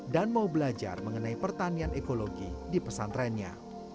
dan mau belajar mengenai pertanian ekologi di pesantrennya